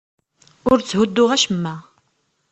Ur tthudduɣ acemma.